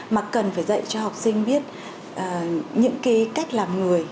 mà cần phải dạy cho học sinh biết những cái cách làm người